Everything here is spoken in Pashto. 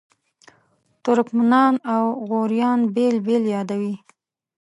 ترکمنان او غوریان بېل بېل یادوي.